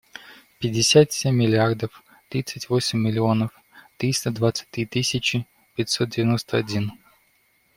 Пятьдесят семь миллиардов тридцать восемь миллионов триста двадцать три тысячи пятьсот девяносто один.